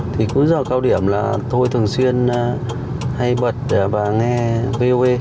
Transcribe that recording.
thì cứ giờ cao điểm là tôi thường xuyên hay bật và nghe voe